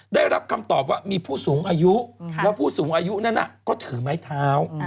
ได้รับคำตอบว่ามีผู้สูงอายุและผู้สูงอายุนั้นก็ถือไม้เท้า